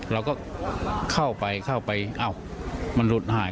เราก็เข้าไปเข้าไปอ้าวมันหลุดหาย